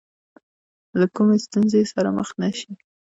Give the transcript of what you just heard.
له کومې ستونزې سره مخ نه شي.